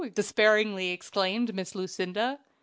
despairingly exclaimed Miss Lucinda.